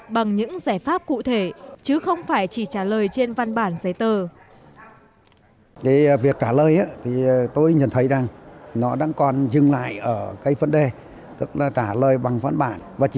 bằng những giải pháp của các bộ ngành